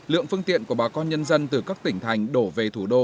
lượng phương tiện của bà con nhân dân từ các tỉnh thành đổ về thủ đô